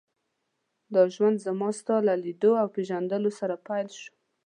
دا ژوند زما ستا له لیدو او پېژندلو سره پیل شو.